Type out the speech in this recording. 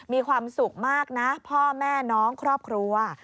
มีความสุขมากนะพ่อแม่น้องครอบครัว